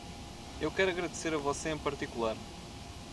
Eu quero agradecer a você em particular.